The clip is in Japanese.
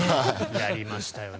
やりましたよね。